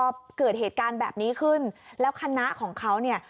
พอเกิดเหตุการณ์แบบนี้ขึ้นแล้วคณะของเขาเนี่ย